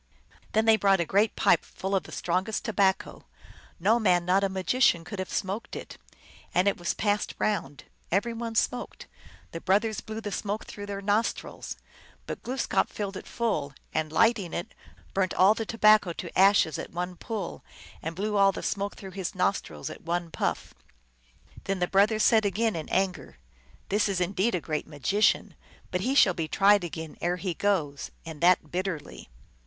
Then they brought a great pipe full of the strongest tobacco ; no man not a magician could have smoked it. And it was passed round : every one smoked ; the brothers blew the smoke through their nostrils. But Glooskap filled it full, and, lighting it, burnt all the tobacco to ashes at one pull, and blew all the smoke through his nostrils at one puff. Then the brothers said again in anger, " This is indeed a great magician. Yet he shall be tried again ere he goes, and that bit terly."